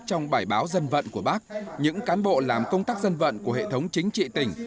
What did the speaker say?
trong bài báo dân vận của bác những cán bộ làm công tác dân vận của hệ thống chính trị tỉnh